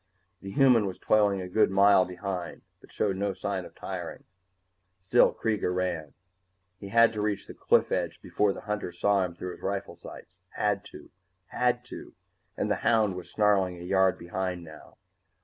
The human was toiling a good mile behind, but showed no sign of tiring. Still Kreega ran. He had to reach the cliff edge before the hunter saw him through his rifle sights had to, had to, and the hound was snarling a yard behind now.